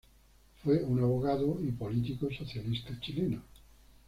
Fue un abogado y político socialista chileno.